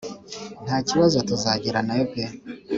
ntakibazo tuza geranayo pe